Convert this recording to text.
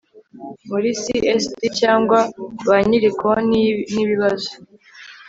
muri csd cyangwa ba nyiri konti n ibibazo